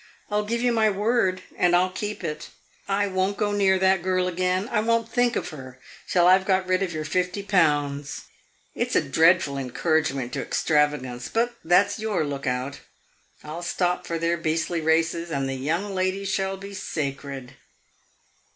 I 'll give you my word, and I 'll keep it. I won't go near that girl again I won't think of her till I 've got rid of your fifty pounds. It 's a dreadful encouragement to extravagance, but that 's your lookout. I 'll stop for their beastly races and the young lady shall be sacred."